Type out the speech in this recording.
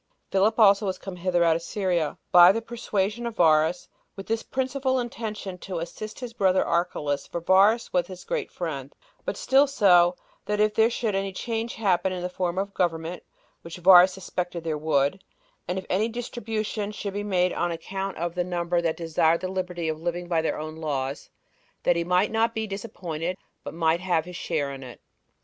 Philip 19 also was come hither out of Syria, by the persuasion of Varus, with this principal intention to assist his brother [Archelaus]; for Varus was his great friend: but still so, that if there should any change happen in the form of government, [which Varus suspected there would,] and if any distribution should be made on account of the number that desired the liberty of living by their own laws, that he might not be disappointed, but might have his share in it.